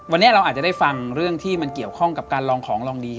วันนี้เราอาจจะได้ฟังเรื่องที่มันเกี่ยวข้องกับการลองของลองดี